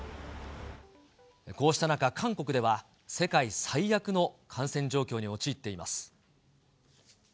こうした中、韓国では、世界最悪の感染状況に陥っています。